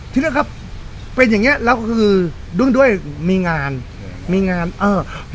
ที่แรกครับเป็นอย่างเงี้แล้วก็คือด้วยมีงานมีงานเออ